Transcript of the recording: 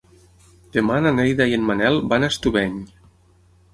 Demà na Neida i en Manel van a Estubeny.